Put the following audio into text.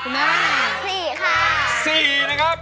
๔นะครับ